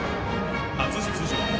初出場。